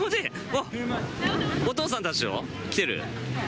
お父さんたちと来てる？